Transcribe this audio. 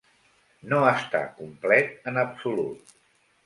No està complet en absolut.